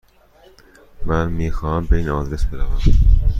من میخواهم به این آدرس بروم.